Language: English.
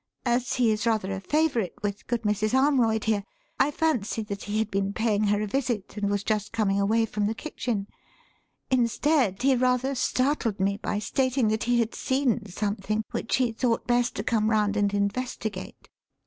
As he is rather a favourite with good Mrs. Armroyd here, I fancied that he had been paying her a visit, and was just coming away from the kitchen. Instead, he rather startled me by stating that he had seen something which he thought best to come round and investigate.